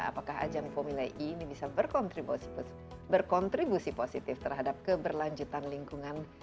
apakah ajang formula e ini bisa berkontribusi positif terhadap keberlanjutan lingkungan